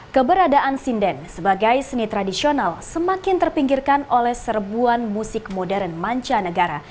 keberadaan sinden sebagai seni tradisional semakin terpinggirkan oleh serbuan musik modern manca negara